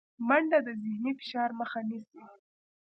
منډه د ذهني فشار مخه نیسي